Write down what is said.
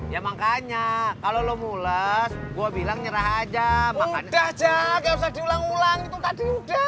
ya makanya kalau lo mulet gua bilang nyerah aja makan udah udah udah udah